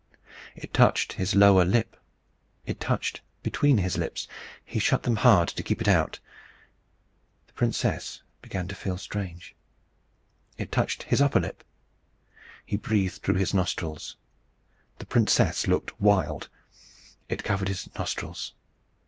It touched his lower lip. It touched between his lips. He shut them hard to keep it out. The princess began to feel strange. It touched his upper lip. He breathed through his nostrils. The princess looked wild. It covered his nostrils.